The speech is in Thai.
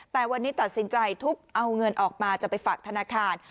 แต่วันนี้ตัดสินใจทุบเอาเงินออกมาจะไปฝากธนาคาร